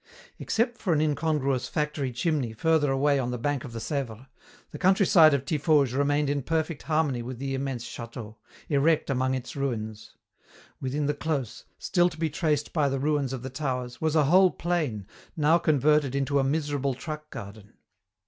Except for an incongruous factory chimney further away on the bank of the Sèvre, the countryside of Tiffauges remained in perfect harmony with the immense château, erect among its ruins. Within the close, still to be traced by the ruins of the towers, was a whole plain, now converted into a miserable truck garden.